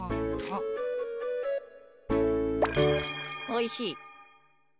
おいしい。